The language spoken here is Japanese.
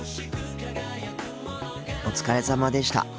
お疲れさまでした。